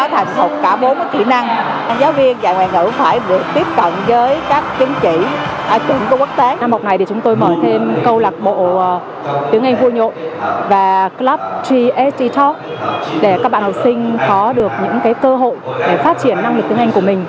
tp hcm để các bạn học sinh có được những cơ hội để phát triển năng lực tiếng anh của mình